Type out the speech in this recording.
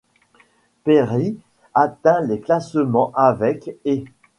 Perry atteint les classements avec ',' et '.